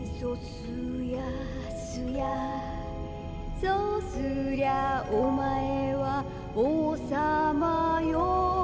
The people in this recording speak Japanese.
すやすやそうすりゃおまえはおうさまよ